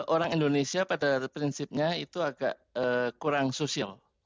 orang indonesia pada prinsipnya itu agak kurang sosial